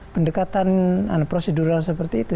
pendekatan prosedural seperti itu